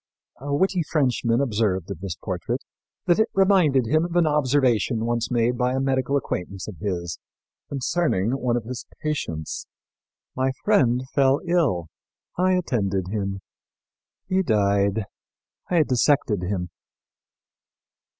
A witty Frenchman observed of this portrait that it reminded him of an observation once made by a medical acquaintance of his concerning one of his patients: "'My friend fell ill; I attended him. He died; I dissected him.'"